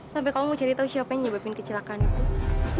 sampai kamu mau cari tahu siapa yang nyebabin kecelakaan itu